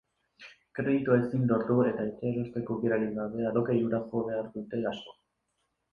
Kreditua ezin lortu eta etxea erosteko aukerarik gabe alokairura jo behar dute askok.